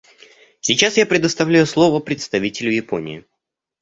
Сейчас я предоставляю слово представителю Японии.